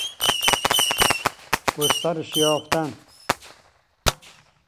گسترش یافتن